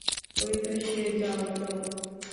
ওইতো সে, যাও, যাও।